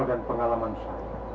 akal dan pengalaman saya